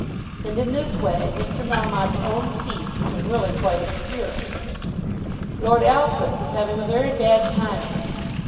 And in this way Mr. Melmotte's own seat became really quite obscure. Lord Alfred was having a very bad time of it.